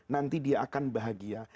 nanti dia akan bahagia